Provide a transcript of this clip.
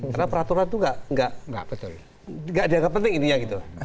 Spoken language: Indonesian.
karena peraturan itu tidak dianggap penting intinya gitu